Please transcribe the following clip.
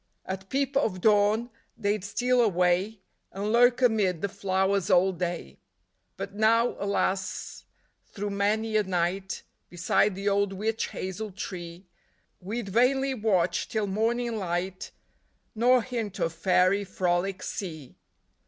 At peep of dawn they 'd steal away, And lurk amid the flowers all day : But now, alas ! through many a night, Beside the old witch hazel tree, 32 THE FA IRIES' MASQUERADE. We 'd vainly watch till morning light, Nor hint of fairy frolic see.